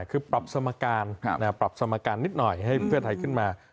คือปรับสมการปรับสมการนิดหน่อยให้เพื่อไทยขึ้นมา